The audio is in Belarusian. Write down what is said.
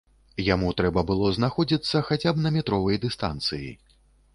Яму трэба было знаходзіцца хаця б на метровай дыстанцыі.